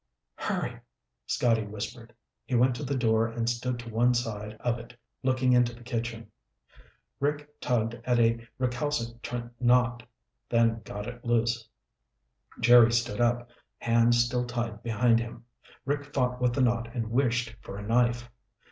"Hurry," Scotty whispered. He went to the door and stood to one side of it, looking into the kitchen. Rick tugged at a recalcitrant knot, then got it loose. Jerry stood up, hands still tied behind him. Rick fought with the knot and wished for a knife.